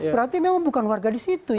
berarti memang bukan warga di situ ya